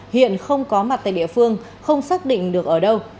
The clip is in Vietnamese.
hiện không có mặt tại địa phương không xác định được ở đâu